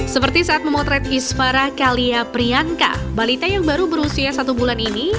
seperti saat memotret isfara kalia priyanka balita yang baru berusia satu bulan ini